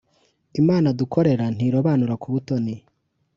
imana dukorera ntirobanura ku butoni.